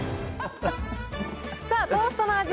さあ、トーストの味